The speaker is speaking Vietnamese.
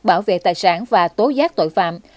bảo vệ tài sản và tố giác tội phạm